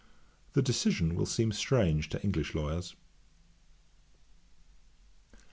The decision will seem strange to English lawyers.